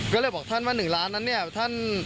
ก็เลยบอกท่านว่า๑ล้านนั้นเนี่ยท่าน